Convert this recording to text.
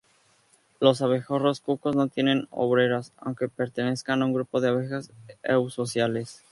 Los abejorros cucos no tienen obreras aunque pertenezcan a un grupo de abejas eusociales.